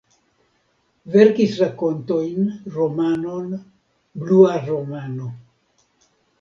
Verkis rakontojn, romanon "Blua romano".